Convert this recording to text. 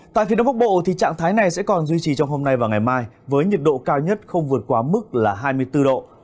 tại phía đông bắc bộ trạng thái này sẽ còn duy trì trong hôm nay và ngày mai với nhiệt độ cao nhất không vượt quá mức là hai mươi bốn độ